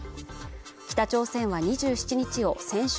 北朝鮮は２７日を戦勝